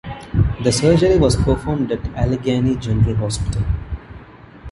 The surgery was performed at Allegheny General Hospital.